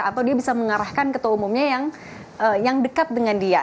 atau dia bisa mengarahkan ketua umumnya yang dekat dengan dia